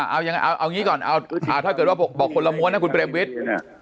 เอาอย่างไรเอาอย่างนี้ก่อนถ้าเกิดว่าบอกคนละม้วนนะคุณเปรมวิทย์